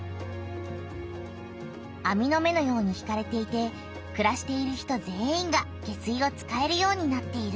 あみの目のように引かれていてくらしている人全員が下水を使えるようになっている。